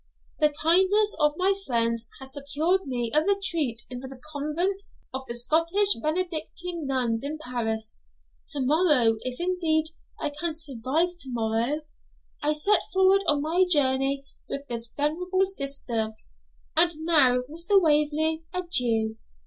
The kindness of my friends has secured me a retreat in the convent of the Scottish Benedictine nuns in Paris. Tomorrow if indeed I can survive tomorrow I set forward on my journey with this venerable sister. And now, Mr. Waverley, adieu!